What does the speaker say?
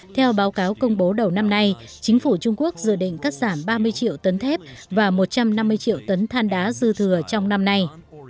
theo báo cáo công bố đầu năm nay chính phủ trung quốc dự định cắt giảm ba mươi triệu tấn thép và một trăm năm mươi triệu tấn than đá dư thừa trong năm nay